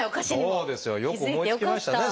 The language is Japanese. そうですよよく思いつきましたね